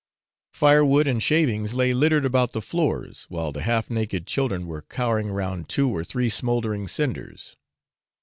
Firewood and shavings lay littered about the floors, while the half naked children were cowering round two or three smouldering cinders.